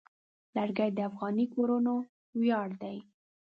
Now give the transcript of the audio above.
لرګی د افغاني کورنو ویاړ دی.